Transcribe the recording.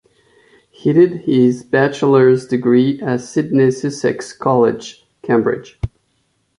He did his bachelor's degree at Sidney Sussex College, Cambridge.